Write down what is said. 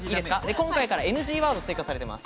今回からＮＧワードが追加されています。